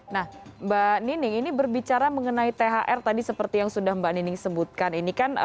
nah mbak nining ini berbicara mengenai thr tadi seperti yang sudah mbak nining sebutkan ini kan